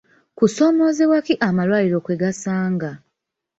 Kusoomozebwa ki amalwaliro kwe gasanga?